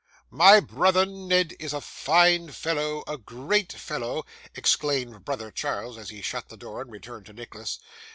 'My brother Ned is a fine fellow, a great fellow!' exclaimed brother Charles as he shut the door and returned to Nicholas.